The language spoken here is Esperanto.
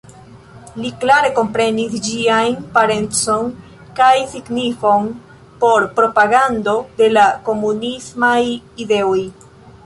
Li klare komprenis ĝiajn potencon kaj signifon por propagando de la komunismaj ideoj.